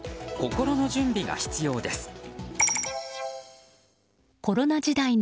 心の準備が必要です。